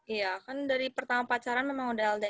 iya kan dari pertama pacaran memang udah ld